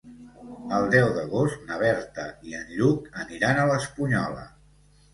El deu d'agost na Berta i en Lluc aniran a l'Espunyola.